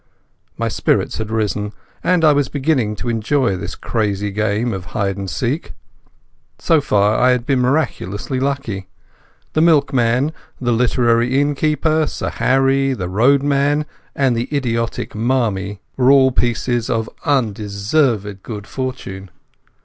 My spirits had risen, and I was beginning to enjoy this crazy game of hide and seek. So far I had been miraculously lucky. The milkman, the literary innkeeper, Sir Harry, the roadman, and the idiotic Marmie, were all pieces of undeserved good fortune.